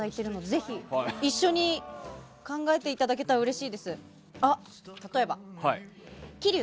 ぜひ、一緒に考えていただけたらうれしいです。